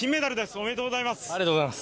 ありがとうございます。